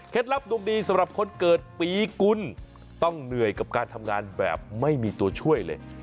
ลับดวงดีสำหรับคนเกิดปีกุลต้องเหนื่อยกับการทำงานแบบไม่มีตัวช่วยเลย